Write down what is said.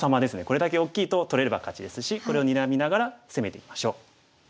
これだけ大きいと取れれば勝ちですしこれをにらみながら攻めていきましょう。